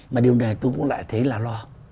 mà điều này tôi cũng lại thấy là lo